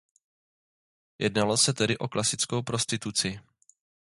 Jednalo se tedy o klasickou prostituci.